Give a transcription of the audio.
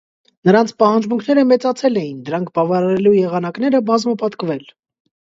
Նրանց պահանջմունքները մեծացել էին, դրանք բավարարելու եղանակները՝ բազմապատկվել։